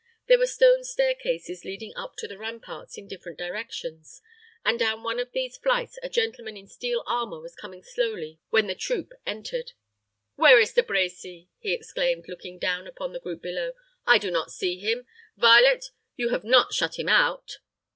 There were stone stair cases leading up to the ramparts in different directions, and down one of these flights a gentleman in steel armor was coming slowly when the troop entered. "Where is De Brecy?" he exclaimed, looking down upon the group below. "I do not see him. Varlet, you have not shut him out?"